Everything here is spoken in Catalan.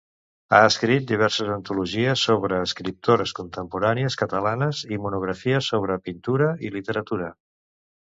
Ha escrit diverses antologies sobre escriptores contemporànies catalanes i monografies sobre pintura i literatura.